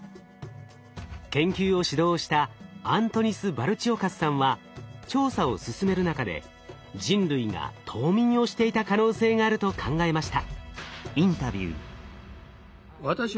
研究を主導したアントニス・バルチオカスさんは調査を進める中で人類が冬眠をしていた可能性があると考えました。